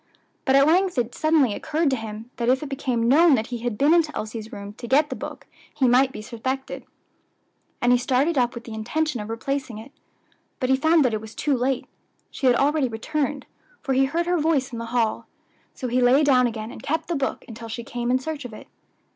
But at length it suddenly occurred to him that if it became known that he had been into Elsie's room to get the book he might be suspected; and he started up with the intention of replacing it. But he found that it was too late; she had already returned, for he heard her voice in the hall; so he lay down again, and kept the book until she came in search of it.